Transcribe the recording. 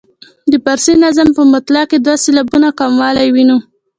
د فارسي نظم په مطلع کې دوه سېلابونه کموالی وینو.